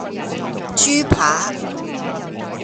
豬扒